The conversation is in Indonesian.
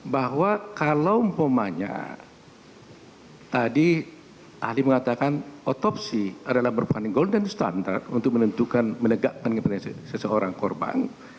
bahwa kalau umpamanya tadi ahli mengatakan otopsi adalah berpanding golden standard untuk menentukan menegakkan kepentingan seseorang korban